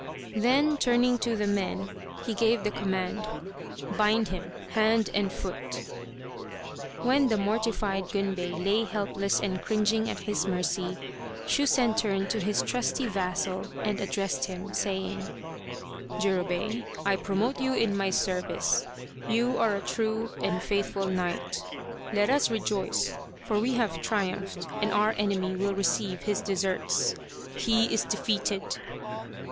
Then turning to the men he gave the command :" Bind him, hand and foot !" When the mortified Gunbei lay helpless and cring ing at his mercy, Shusen turned to his trusty vassal and addressed him, saying :" Jurobei, I promote you in my service. You are a true and faithful knight. Let us rejoice, for we have triumphed and our enemy will receive his deserts he is defeated